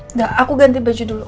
enggak aku ganti baju dulu